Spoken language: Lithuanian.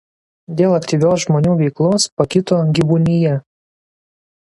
Dėl aktyvios žmonių veiklos pakito gyvūnija.